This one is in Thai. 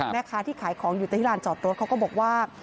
แม่ค้าที่ขายของอยู่ที่ลานจอดรถเขาก็บอกว่า